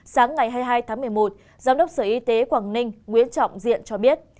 sáng ngày hai mươi hai tháng một mươi một giám đốc sở y tế quảng ninh nguyễn trọng diện cho biết